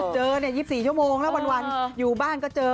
เจอเนี่ย๒๔โมงแล้ววันอยู่บ้างก็เจอ